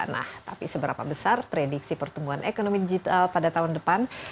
nah tapi seberapa besar prediksi pertumbuhan ekonomi digital pada tahun depan